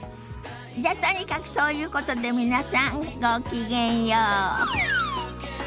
じゃとにかくそういうことで皆さんごきげんよう。